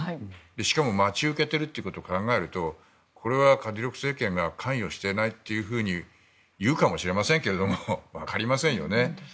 しかも待ち受けていることを考えるとこれはカディロフ政権が関与していないと言うかもしれませんがわかりませんよね。